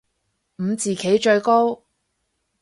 五子棋最高